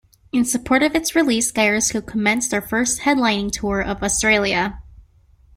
In support of its release Gyroscope commenced their first headlining tour of Australia.